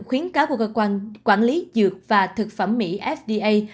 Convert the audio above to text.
khuyến cáo của cơ quan quản lý dược và thực phẩm mỹ fda